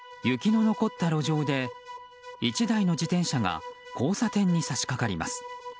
雪の残った路上で１台の自転車が交差点に差し掛かります。